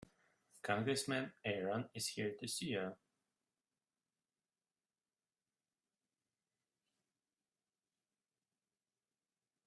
Congressman Aaron is here to see you.